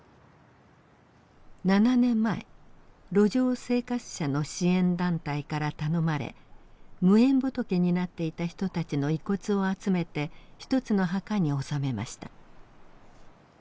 ７年前路上生活者の支援団体から頼まれ無縁仏になっていた人たちの遺骨を集めて一つの墓に納めました。